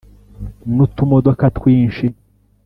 n’utumodoka twinshi